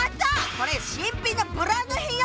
これ新品のブランド品よ！